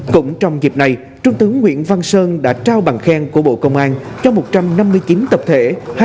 cũng trong dịp này trung tướng nguyễn văn sơn đã trao bằng khen của bộ công an cho một trăm năm mươi chín tập thể